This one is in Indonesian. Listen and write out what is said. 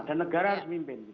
dan negara harus mimpin